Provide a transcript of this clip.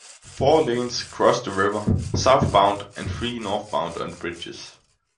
Four lanes cross the river southbound and three northbound on bridges.